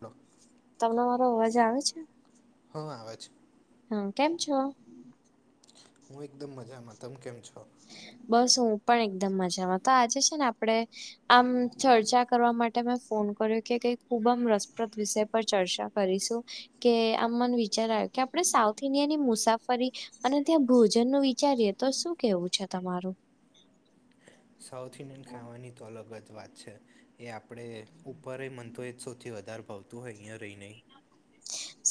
ડો [unintelligible] વા અવાજ આવે છે? હં આવાજ અવે છે. હા કેમ છો? હું એકદમ મજામાં તમે કેમ છો? બસ હું પણ એકદમ મજામાં તો આજે છે ને આપડે આમ ચર્ચા કરવા માટે મેં ફોન કર્યો કે કઈ ખુબમ રસપ્રદ વિષય પર ચર્ચા કરીશું, કે આમ મને વિચાર આવ્યું કે આપણે સાઉથ ઇન્ડિયાની મુસાફરી અને ત્યાં ભોજન નું વિચારીએે તો શું કેવું છે તમારું? સાઉથ ઇન્ડિયન ખાવાની તો અલગ જ વાત છે, એ આપણે ઉપર મન તો એ જ સૌથી વધારે ભાવતું હોય અહીંયા રહી નહીં.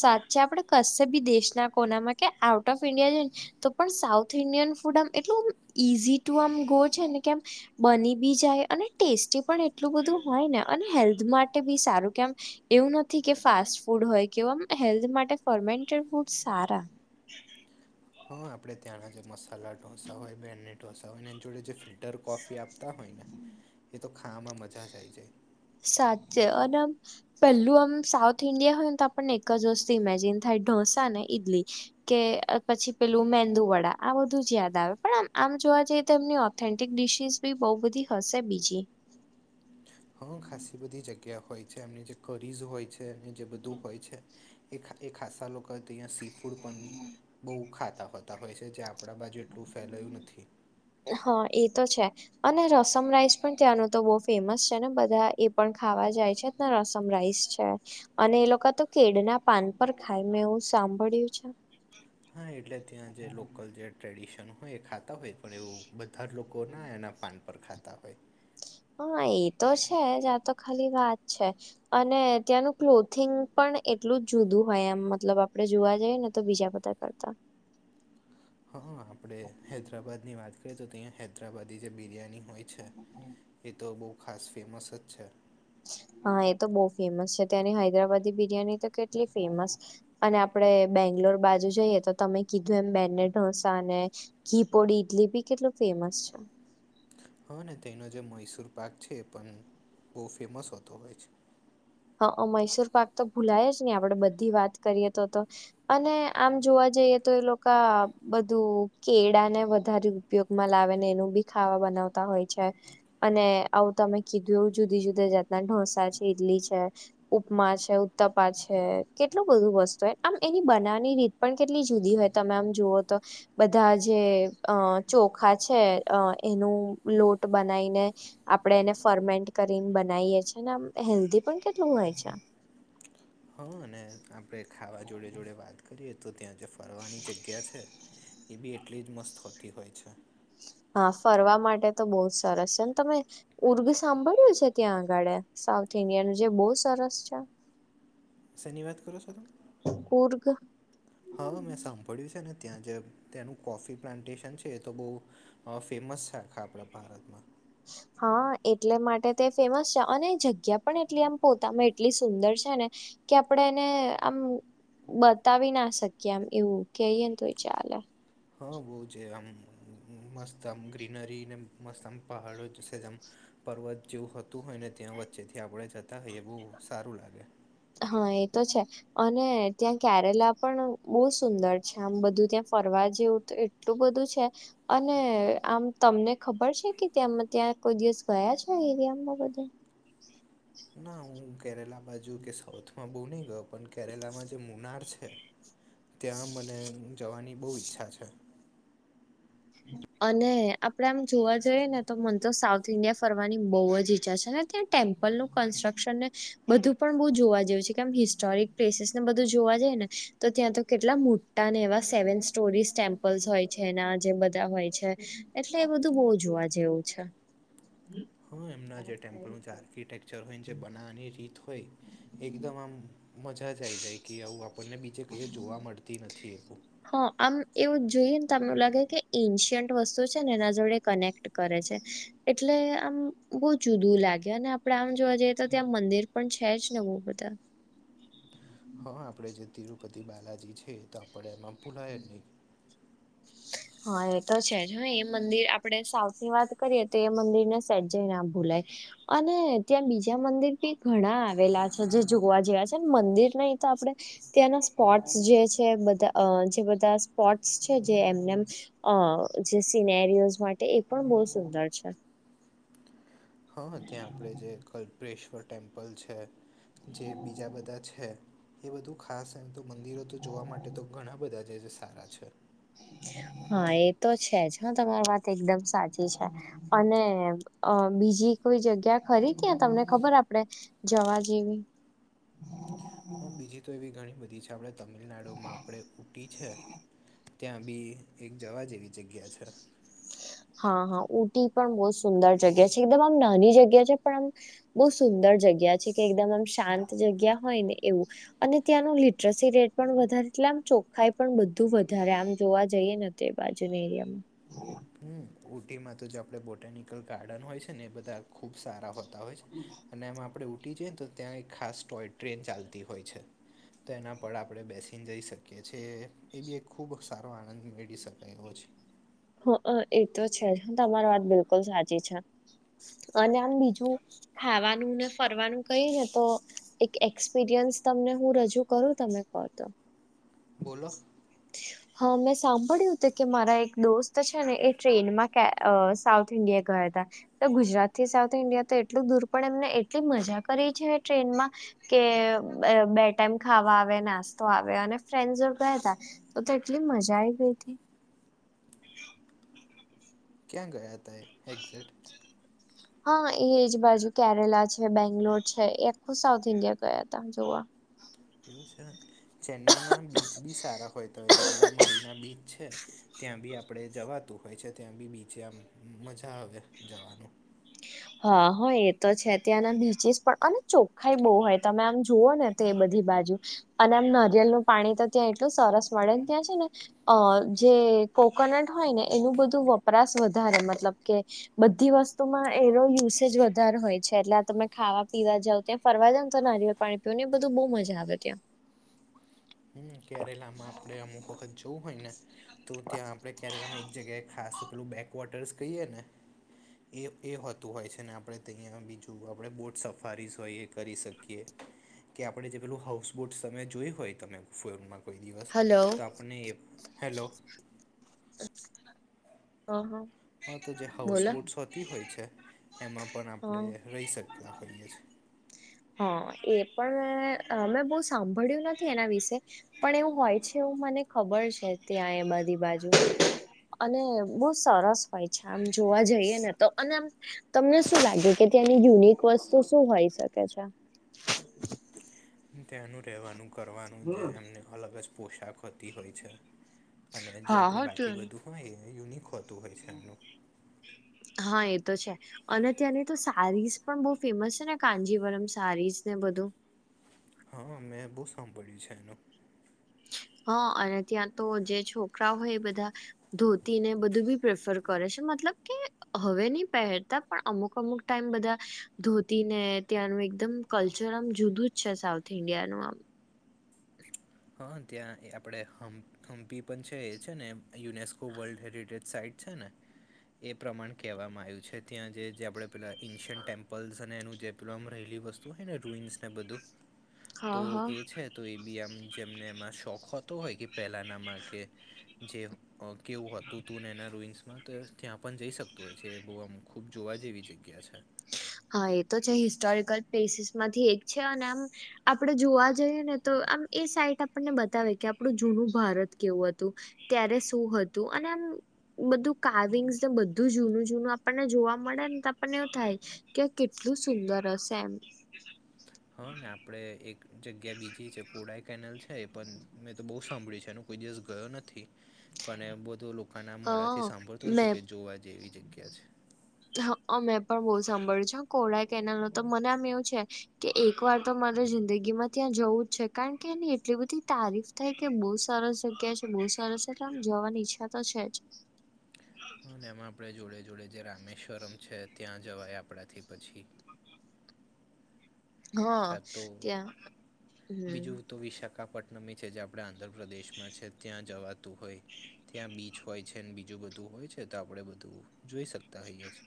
સાચે આપડે કશ બી દેશના કોનામાં કે આઉટ ઓફ ઈન્ડિયા જયે તો પણ સાઉથ ઇન્ડિયન ફૂડ આમ એટલું ઈઝી ટુ આમ ગો છે ને કેમ બની બી જાય અને ટેસ્ટી પણ એટલું બધું હોય ને અને હેલ્થ માટે બી સારું કેમ એવું નથી કે ફાસ્ટ ફૂડ હોય કે મ હેલ્થ માટે ફમેન્ટડ ફૂડ સારા હા આપણે ત્યાંના જે મસાલા ઢોસા હોય બેને ઢોસા હોય ને એની જોડે જે ફિ ફિલ્ટર કોફી આપતા હોય ને એ તો ખાવામાં મજા જ આવી જાય સાચે અને આમ પેલું આમ સાઉથ ઇન્ડિયા હોય ને તો આપણને એક જ વસ્તુ ઇમેજિન થાય ઢોસા ને ઇડલી કે પછી પેલું મેંદુ વડા આ બધું જ યાદ આવે પણ આમ આમ જોવા જઈએ તો એમની ઓ ઓથેન્ટિક ડિશિસ બી બહુ બધી હશે બીજી હ ખાસ બધી જગ્યા હોય છે એમની જે કરીઝ હોય છે એમની જે બધું હોય છે એ ખાલી ખાસા લોકો પરંતુ અહીંયા સી ફૂડ પણ બહુ ખાતા હોતા હોય છે જે આપણા બાજુ એટલું ફેલાયું નથી હા એ તો છે અને રસમ રાઈસ પણ ત્યાંનું તો બોહ ફેમસ છે ને બધા એ પણ ખાવા જાય છે ને રસમ રાઈસ છે અને એ લોકો તો કેડના પાન પર ખાય મેં એવું સાંભળ્યું છે હા એટલે ત્યાં જે લોકલ જે ટ્રેડિશન હોય એ ખાતા હોય પણ એવું બધા જ લોકો ના એના પાન પર ખાતા હોય હા એ તો છે જ આ તો ખાલી વાત છે અને ત્યાંનું ક્લોથિંગ પણ એટલું જ જુદું હોય એમ મતલબ આપણે જોવા જઈએ ને તો બીજા બધા કરતા હા આપણે હૈદરાબાદની વાત કરીએ તો અહીંયા હૈદરાબાદ જે બિરિયાની હોય છે એ તો બહુ ખાસ ફેમસ જ છે હા એ તો બહુ ફેમસ છે તંની હૈદરાબાદી બિરિયાની તો કેટલી ફેમસ અને આપણે બેંગ્લોર બાજુ જઈએ તો તમે કીધું એમ બેને ઢોસા ને ઘી પોડી ઇડલી બી કેટલું ફેમસ છે હ તેનો જે મૈસુર પાક છે એ પણ બહુ ફેમસ હોતો હોય છે હા મૈસુર પાક તો ભૂલાય જ નહી આપડે બધી વાત કરીએ તો તો અને આમ જોવા જઈએ તો એ લોકા બધું કેળા ને વધારયુ ઉપયોગમાં લાવે ને એનું બી ખાવા બનાવતા હોય છે અને આવું તમે કીધું એવું જુદી જુદી જાતના ઢોસા છે ઈડલી છે ઉપમા છે ઉત્તપા છે કેટલું બધું વસ્તુ આમ એની બનાવની રીત પણ કેટલી જુદી હોય તમે આમ જુઓ તો બધા જે અ ચોખા છે અ એનું લોટ બનાવીને આપણે એને ફર્મેન્ટ કરીને બનાવીએ ને હેલ્ધી પણ કેટલું હોય છે હ અને આપણે ખાવા જોડે જોડે વાત કરીએ તો ત્યાં જે ફરવાની જગ્યા છે એ બી એટલી જ મસ્ત હોતી હોય છે હા ફરવા માટે તો બહુ જ સરસ છે ને તમે ઉર્ગ સાંભળ્યું છે ત્યાં આગળ સાઉથ ઇન્ડિયાન જે બહુ સરસ છે સેની વાત કરો છો તમે ઉર્ગ હા મેં સાંભળ્યું છે ને ત્યાં જે ત્યાંનું કોફી પ્લાન્ટેશન છે એ તો બહુ હ ફેમસ છે આખા આપણા ભારતમાં હા એટલે માટે તે ફેમસ છે અને જગ્યા પણ એટલી આમ પોતામાં એટલી સુંદર છે ને કે આપડેને આમ બતાવી ના શકીએ એમ એવું કેયે ને તોય ચાલે હા બો છે આમ મસ્ત આમ ગ્રીનરી ને મસ્ત આમ પહાડો જશે જેમ પર્વત જેવું હતું હોય ને ત્યાં વચ્ચેથી આપણે જતા હોયએ એ બવ સારું લાગે હા એ તો છે અને ત્યાં કેરેલા પણ બહુ સુંદર છે આમ બધું ત્યાં ફરવા જેવું તે એટલું બધું છે. અને આમ તમને ખબર છે કે ત્યાં ત્યાં કોઈ દિવસ ગયા છે એરિયામાં બધે ના હું કેરેલા બાજુ કે સાઉથમાં બોવ નય ગયો પણ કેરેલામાં જે મુનાર છે [inaudible] ત્યાં મને જવાની બહુ ઈચ્છા છે. [inaudible] અને આપડે આમ જોવા જઈએ ને તો મન તો સાઉથ ઈન્ડિયા ફરવાની બહુ જ ઈચ્છા છે ને ત્યાં ટેમ્પલનું કન્સ્ટ્રક્શન ને બધું પણ બોવ જોવા જેવું છે કેમ હિસ્ટોરિક પ્લેસીસને બધું જોવા જાય ને તો ત્યાં તો કેટલા મોટા ને એવા સેવન સ્ટોરી સ્ટેમ્પ પલ્સ હોય છે ના જેમ બધા હોય છે એટલે એ બધું બહુ જોવા જેવું છે. હા એમના જે ટેમ્પલનું જે આર્કિટેક્ચર હોય જે બનાવવાની રીત હોય એકદમ આમ મજા જ આવી જાય કે આવું આપણને બીજે કંઈ જોવા મળતી નથી એવું હ આમ એવું જોઈએ ને તો એમું લાગે કે એન્શિયન્ટ વસ્તુ છે ને એના જોડે કનેક્ટ કરે છે. એટલે આમ બહુ જુદું લાગે અને આપડે આમ જોવા જઈએ તો ત્યાં મંદિર પણ છે જ ને બહુ બધા હા આપણે જે તિરુપતિ બાલાજી છે તો આપણે એમાં ભૂલાય નહીં. [inaudible] હા એ તો છે જ હ એ મંદિર આપડે સાઉથ ની વાત કરીએ તો એ મંદિરને સેજે ના ભૂલાય અને ત્યાં બીજા મંદિર બી ઘણા આવેલા છે જે જોવા જેવા છે મંદિર નહી તો આપણે ત્યાંના સ્પોટ્સ જે છે બધા અ જે બધા સ્પોટ્સ છે જે એમ નેમ અ જે સિનેરીયોસ માટે એ પણ બવ સુંદર છે. હા ત્યાં આપણે જે કલ્પેશ્વર ટેમ્પલ છે જે બીજા બધા છે એ બધું ખાસ એમ તો મંદિરો તો જોવા માટે તો ઘણા બધા છે સારા છે. હા એ તો છે જ હ તમારી વાત એકદમ સાચી છે. અને અ બીજી કોઈ જગ્યા ખરી ત્યા તમને ખબર આપડે જવા જેવી હા બીજી તો એવી ઘણી બધી છે આપણે તમિલનાડુમાં આપણે ઊટી છે. ત્યાં બી એક જવા જેવી જગ્યા છે. હા હા ઊટી પણ બહુ જ સુંદર જગ્યા છે એકદમ આમ નાની જગ્યા છે પણ આમ બહુ સુંદર જગ્યા છે કે એકદમ આમ શાંત જગ્યા હોય ને એવું અને ત્યાંનું લિટરસી રેટ પણ વધારે એટલે આમ ચોખ્ખાઈ પણ બધું વધારે આમ જોવા જઈએ ને તે બાજુ એરિયામાં હમ્મ ઊટીમાં તો જે આપડે બોટનિકલ ગાર્ડન હોય છે ને એ બધા ખુબ સારા હોતા હોય છે. [inaudible] અને એમાં આપણે ઊટી જઈએ તો ત્યાં એક ખાસ ટોય ટ્રેન ચાલતી હોય છે. તો એના પર આપણે બેસીને જઈ શકીએ છીએ એ બી એક ખૂબ સારો આનંદ મેળ શકાય એવો છે. હ અ એ તો છે જ તમારી વાત બિલકુલ સાચી છે અને આમ બીજું ખાવાનું ને ફરવાનું કઈ ને તો એક એક્સપિરિયન્સ તમને હું રજૂ કરું તમે કો તો બોલો હા મેં સાંભળ્યું તું કે મારા એક દોસ્ત તો છે ને એ ટ્રેનમાં કે અહ સાઉથ ઇન્ડિયા ગયા તા તો ગુજરાત થી સાઉથ ઇન્ડિયા તો એટલું દૂર પણ એમને એટલી મજા કરી છે એ ટ્રેનમાં. કે બે ટાઈમ ખાવા આવે, નાસ્તો આવે, અને ફ્રેન્ડસ [unintelligible] ગયા તા તો-તો એટલી મજા આઈ ગઈ તી. ક્યાં ગયા તા એ એક્ઝેક્ટ? [inaudible] હા એ જ બાજુ કેરેલા છે, બેંગ્લોર છે, એ આખું સાઉથ ઇન્ડિયા ગયા હતા આમ જોવા. એવું છે. ચેન્નાઈમાં બીચ બી સારા હોય તો, જે પેલા મરીના બીચ છે ત્યાં બી આપણેે જવાતું હોય છે. ત્યાં બી બીચે આમ મજા આવે જવાનું. હા હો એ તો છે. ત્યાંના બીચિસ પણ અને ચોખ્ખાાઈ બહુ હોય. તમે આમ જુઓ ને તે બધી બાજુ. અને આમ નરિયેલ નું પાણી તો ત્યાં એટલું સરસ મળેન. ત્યાં છે ને અહ જે કોકોનટ હોય ને એનું બધું વપરાશ વધારે મતલબ કે બધી વસ્તુ માં એનો યુસેજ વધારે હોય છે. એટલે આ તમે ખાવા પીવા જાવો ત્યાં ફરવા જાવ તો નારીયેલ પાણી પીયું ને એ બધું બહુ મજા આવે ત્યાં. હમ્મ. કેરેલામાં આપડે અમુક વખત જવું હોય ને તો ત્યાં આપણે કેરેલામાં એક જગ્યાએ ખાસ પેલું બેકવોટર્સ કહીએ ને એ-એ હોતું હોય છે ને આપણે તહીંયા બીજું આપણે બોટ સફારીસ હોય એ કરી શકીએ. કે આપણે જે પેલું હાઉસબોટ સમય જોયું હોય તમે ફોનમાં કોઈ દિવસ, હલો તો આપણને એ, હેલો. [inaudible] [inaudible] હા તો જે હાઉસ બોલો બોટ્સ હોતી હોય છે, એમાં પણ હ આપણે રહી શકતા હોઈએ છે. હા. એ પણ મે અહ મે બહુ સાંભળ્યું નથી એના વિશે પણ એવું હોય છે એવું મને ખબર છે ત્યાં એ બધી બાજુ. અને બહુ સરસ હોય છે આમ જોવા જઈએ ને તો. અને આમ તમને શું લાગે કે ત્યાંની યુનિક વસ્તુ શું હોય શકે છે? ત્યાંનું રહેવાનું, કરવાનું જે એમને અલગ જ પોશાક હોતી હોય છે. અને જે હા આપણે હો તો બાકી બધું હોય એ યુનિક હોતું હોય છે એમનું. હા એ તો છે. અને ત્યાંની તો સારીઝ પણ બહુ ફેમસ છે ને, કાન્જીવરમ સારીઝ ને બધું. હા અમ્મ. મેં બહુ સાંભળ્યું છે એનું. હા. અને ત્યાં તો જે છોકરા હોય એ બધા ધોતીને બધું બી પ્રેફર કરે છે. મતલબ કે હવે ની પહેરતા પણ અમુક-અમુક ટાઈમ બધા ધોતી ને ત્યાંનું એકદમ કલ્ચર આમ જુદું જ છે સાઉથ ઇન્ડિયાનું આમ. હા. ત્યાં એ આપણેે હમ થમ્પી પણ છે, એ છે ને યુનેસ્કો વર્લ્ડ હેરિટેજ સાઈટ છે ને એ પ્રમાણે કહેવામાં આવ્યું છે. ત્યાં જે-જે આપણે પેલાં ઈન્શન્ટ ટેમ્પલ્સ અને એનું જે પેલું આમ રહેલી વસ્તુ હે ને રૂઈન્સને બધું તો હા હા એ છે તો એ બી આમ જેમને એમાં શોખ હો તો હોય કે પહેલાંનામાં કે, જે કેવું હતું તું ને એના રૂઈન્સમાં ત્યાં પણ જઈ શકતું હોય છે, એ બહુ આમ ખુબ જોવા જેવી જગ્યા છે. હા એ તો છે. હિસ્ટોરિકલ પ્લેસીસ માંથી એક છે. અને આમ આપણે જોવા જઈએ ને તો આમ એ સાઈટ આપણને બતાવે કે આપણું જૂનું ભારત કેવું હતું. ત્યારે શું હતું અને આમ બધું કાર્વિંગસ ને બધું જૂનું-જૂનું આપણને જોવા મળેન તો આપણને એવું થાય કે કેટલું સુંદર હશે એમ. હા. ને આપડે એક જગ્યા બીજી છે કોડાઈ કેનેલ છે એ પન, મેં તો બહુ સાંભળ્યું છે એનું, કોઈ દિવસ ગયો નથી, પણ એ બધો લો [unintelligible] ના મોડા થી હા સાંભળતો હોવ છો મેં કે જોવા જેવી જગ્યા છ. હા અમેં પણ બહુ સાંભળ્યું છે હો કોરાઈ કેનાલ નું તો. મને આમ એવું છે કે એક વાર તો મારે જિંદગી માં ત્યાં જવું જ છે, કારણ કે એની એટલી બધી તારીફ થાય કે બહુ સરસ જગ્યા છે, બહુ સરસ એટલે આમ જવાની ઈચ્છા તો છે જ. હા. અને એમાં આપણે જોડે-જોડે જે રામેશ્વરમ છે ત્યાં જવાય આપણાથી પછી. હા કા તો ત્યાં હમ બીજું તો વિશાખાપટ નમ એઈ છે જે આપણે આંધ્રપ્રદેશમાં છે, ત્યાં જવાતું હોય. ત્યાં બી ચ હોય છે ને બીજું બધું હોય છે તો આપણેે બધું જોઈ શકતા હોઈએ છ.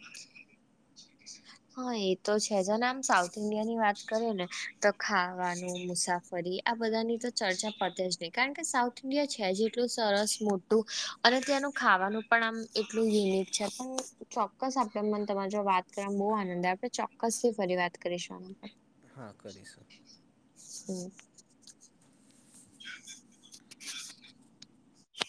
હા એ તો છે. જેને આમ સાઉથ ઈન્ડિયા ની વાત કરીએ ને તો ખાવાનું, મુસાફરી આ બધાની તો ચર્ચા પતે જ નહીં, કારણ કે સાઉથ ઇન્ડિયા છે જ એટલું સરસ મોટું. અને ત્યાંનું ખાવાનું પણ આમ એટલું યુનિક છે. પણ ચોક્કસ આપડે મન તમારે જો વાત કરવા માં બહુ આનંદ. આપણે ચોક્કસ થી ફરી વાત કરીશું [unintelligible] હા કરીશું. હમ્મ. [inaudible]